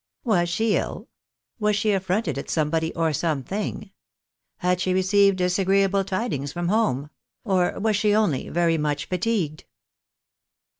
"Was she ill?" "Was she affronted at somebody or some thing ?"" Had she received disagreeable tidings from home? " or " was she only very much fatigued